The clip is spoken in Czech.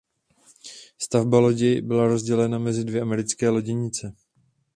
Stavba lodí byla rozdělena mezi dvě americké loděnice.